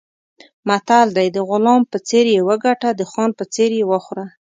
متل دی: د غلام په څېر یې وګټه، د خان په څېر یې وخوره.